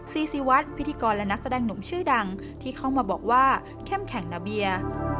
ซีซีวัดพิธีกรและนักแสดงหนุ่มชื่อดังที่เข้ามาบอกว่าเข้มแข็งนาเบีย